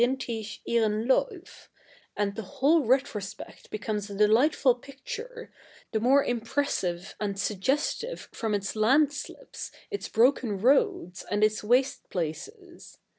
ithisch irroi Lmif,'" and the whole retrospect becomes a delightful picture, the more impressive and suggestive from its landslips, its broken roads, and its waste places.